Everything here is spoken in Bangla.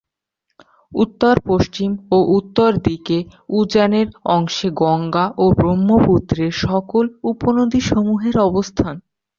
উত্তর পশ্চিম ও উত্তর দিকে উজানের অংশে গঙ্গা ও ব্রহ্মপুত্রের সকল উপনদীসমূহের অবস্থান।